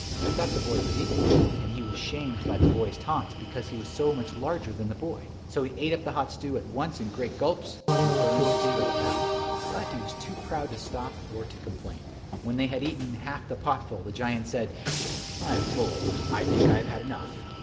He thought the boy was eating it. And he was shamed by the boy's taunts because he was so much larger than the boy, so he ate up the hot stew at once in great gulps and burned his throat badly. But he was too proud to stop or to complain. When they had eaten half the potful, the giant said, "I am full. I think I have had enough."